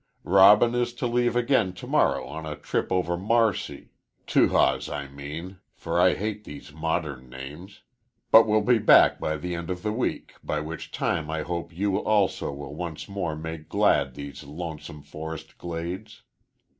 Robin is to leave again to morrow on a trip over Marcy (Tahawus, I mean, for I hate these modern names), but will be back by the end of the week, by which time I hope you also will once more make glad these lonesome forest glades.